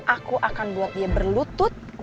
aku akan buat dia berlutut